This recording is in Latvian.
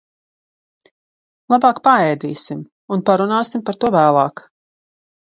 Labāk paēdīsim un parunāsim par to vēlāk.